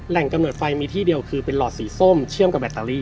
กำเนิดไฟมีที่เดียวคือเป็นหลอดสีส้มเชื่อมกับแบตเตอรี่